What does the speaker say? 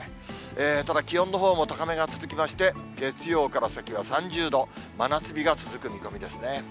ただ気温のほうも高めが続きまして、月曜から先は３０度、真夏日が続く見込みですね。